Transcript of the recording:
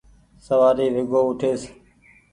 سوآري ويڳو اُٺيس۔